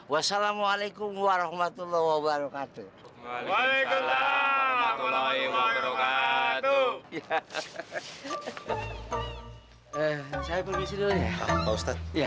wassalamualaikum warahmatullah wabarakatuh waalaikumsalam warahmatullahi wabarakatuh